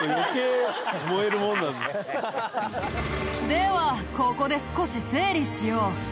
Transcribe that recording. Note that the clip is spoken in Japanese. ではここで少し整理しよう！